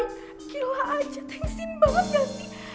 gila aja tensin banget gak sih